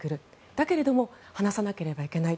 だけれども話さなければいけない。